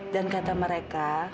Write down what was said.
dan kata mereka